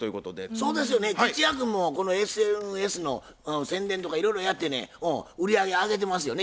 そうですよね吉弥君もこのＳＮＳの宣伝とかいろいろやってね売り上げ上げてますよね。